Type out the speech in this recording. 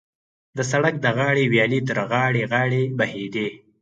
د سړک د غاړې ویالې تر غاړې غاړې بهېدې.